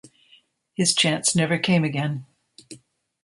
His chance never came again.